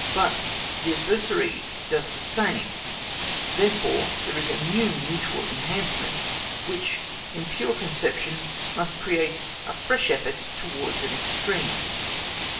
But the adversary does the same; therefore, there is a new mutual enhancement, which, in pure conception, must create a fresh effort towards an extreme.